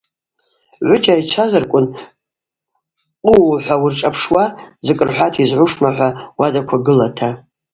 Гӏвыджь айчважварквын къыуу – хӏва уыршӏапшуа, закӏ рхӏвата йызгӏушма-хӏва удаква гылата.